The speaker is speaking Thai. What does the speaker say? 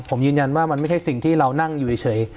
ผมยืนยันว่ามันไม่ใช่สิ่งที่เรานั่งอยู่เฉย